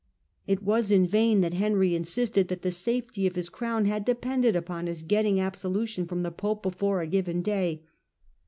It was in vain that Henry insisted that the safety of his crown had depended upon his getting absolution from the pope before a given day.